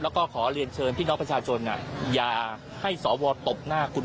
แล้วก็ขอเรียนเชิญพี่น้องประชาชนอย่าให้สวตบหน้าคุณ